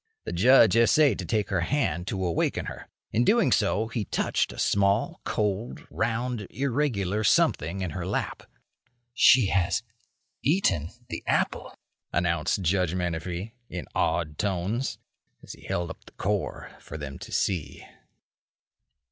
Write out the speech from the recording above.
The Judge essayed to take her hand to awaken her. In doing so he touched a small, cold, round, irregular something in her lap. "She has eaten the apple," announced Judge Menefee, in awed tones, as he held up the core for them to see.